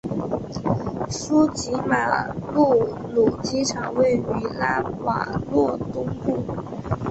苏吉马努鲁机场位于拉瓦若东部。